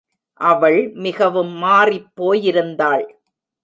அவள் மிகவும் மாறிப்போயிருந்தாள்.